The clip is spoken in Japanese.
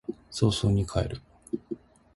早々に帰る